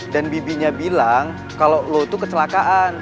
dan bibinya bilang kalau lo tuh kecelakaan